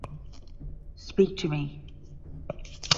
Speak to me.